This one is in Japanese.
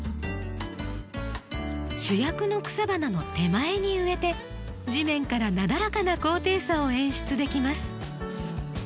主役の草花の手前に植えて地面からなだらかな高低差を演出できます。